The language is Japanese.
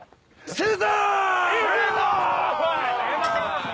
正座！